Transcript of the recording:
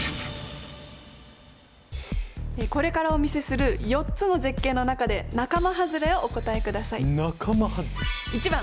これからお見せする４つの絶景の中で仲間はずれをお答えください。